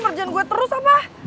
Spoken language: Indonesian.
kerjaan gue terus apa